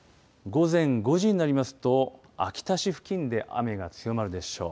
午前５時になりますと秋田市付近で雨が強まるでしょう。